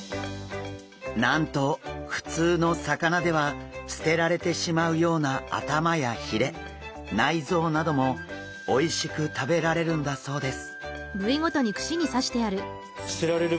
なんと普通の魚では捨てられてしまうような頭やひれ内臓などもおいしく食べられるんだそうです。